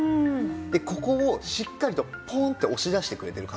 ここをしっかりとポーンって押し出してくれてる感じ。